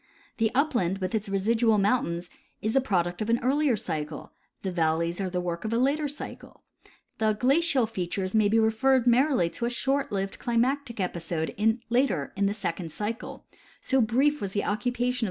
The upland with its residual mountains is the product of an earlier cycle ; the valleys are the work of a later cycle ; the glacial features may be referred merely to a short lived climatic episode late in the second cycle, so brief was the occupation of 74 TF.